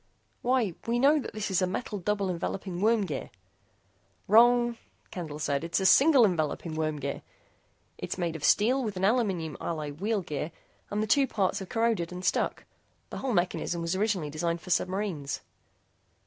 "Why why we know that this is a metal double enveloping worm gear." "Wrong," Candle said. "It's a single enveloping worm gear. It's made of steel with an aluminum alloy wheel gear and the two parts have corroded and stuck. The whole mechanism was originally designed for submarines."